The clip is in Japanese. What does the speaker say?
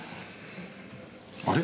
あれ！？